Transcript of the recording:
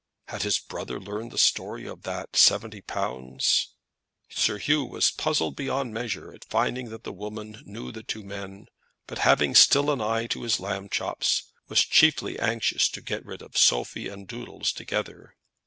Had his brother learned the story of that seventy pounds? Sir Hugh was puzzled beyond measure at finding that the woman knew the two men; but having still an eye to his lamb chops, was chiefly anxious to get rid of Sophie and Doodles together.